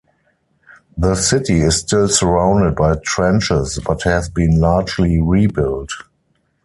The city is still surrounded by trenches, but has been largely rebuilt.